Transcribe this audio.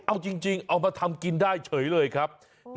เอาจริงเอามาทำกินได้เฉยเลยครับ